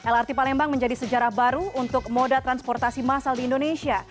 lrt palembang menjadi sejarah baru untuk moda transportasi masal di indonesia